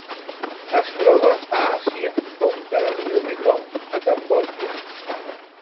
Es troba a Àsia: conca del riu Mekong a Cambodja.